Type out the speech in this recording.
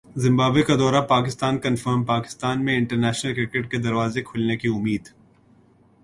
Zimbabwe کا دورہ Pakistan confirm Pakistan میں انٹرنیشنل کرکٹ کے دروازے کھلنے کی امید